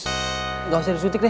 enggak usah disuntik deh